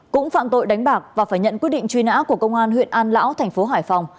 cũng phạm tội đánh bạc và phải nhận quyết định truy nã của công an huyện an lão thành phố hải phòng